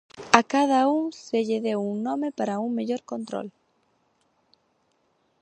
A cada un se lle deu un nome para un mellor control.